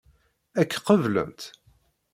Ad k-qeblent?